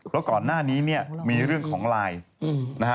แล้วก่อนหน้านี้มีเรื่องของไลน์